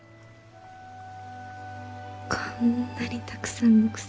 こんなにたくさんの草花。